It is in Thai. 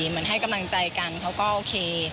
เหมือนให้กำลังใจกันเขาก็โอเค